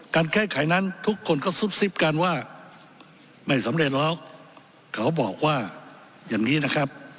การแก้ไขนั้นทุกคนก็ซุบซิบกันว่าไม่สำเร็จหรอกเขาบอกว่าอย่างนี้นะครับ